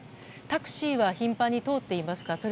タクシーは頻繁に通っていますか？